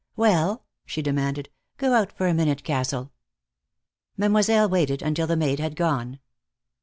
"Well?" she demanded. "Go out for a minute, Castle." Mademoiselle waited until the maid had gone.